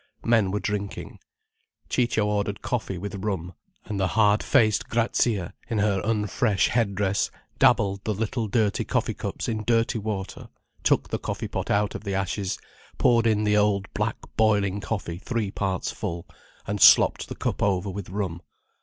Men were drinking. Ciccio ordered coffee with rum—and the hard faced Grazia, in her unfresh head dress, dabbled the little dirty coffee cups in dirty water, took the coffee pot out of the ashes, poured in the old black boiling coffee three parts full, and slopped the cup over with rum.